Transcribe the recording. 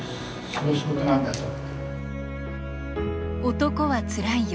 「男はつらいよ」